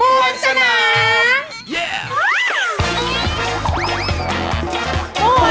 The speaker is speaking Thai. ปวดสนาม